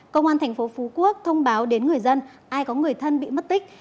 công an tp phú quốc thông báo đến người dân ai có người thân bị mất tích